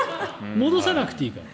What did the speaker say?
戻さなくていいから。